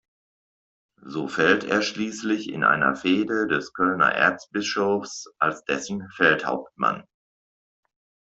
So fällt er schließlich in einer Fehde des Kölner Erzbischofs als dessen Feldhauptmann.